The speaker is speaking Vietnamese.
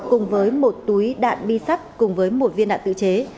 cùng với một túi đạn bi sắt cùng với một viên đạn tự chế